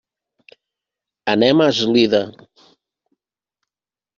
Anem a Eslida.